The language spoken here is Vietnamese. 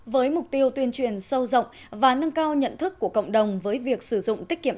với mục tiêu tuyên truyền sâu rộng và nâng cao nhận thức của cộng đồng với việc sử dụng tiết kiệm